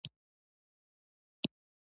قدرت د نړۍ هر کونج ته رسیږي.